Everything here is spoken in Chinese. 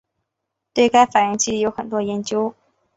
对该反应的机理有很多研究。